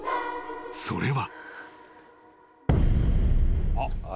それは］